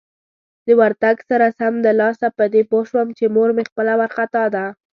د ورتګ سره سمدلاسه په دې پوه شوم چې مور مې خپله وارخطا ده.